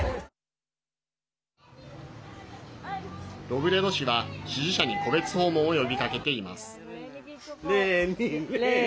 ロブレド氏は支持者に戸別訪問を呼びかけています。